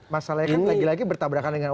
masalahnya kan lagi lagi bertabrakan dengan